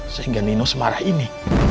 sehingga nino semarah ini